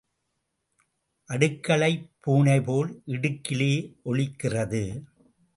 அடுக்களைப் பூனைபோல் இடுக்கிலே ஒளிக்கிறது.